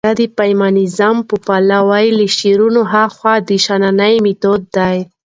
يا د فيمنيزم په پلوۍ له شعارونو هاخوا د شننې مېتود دى.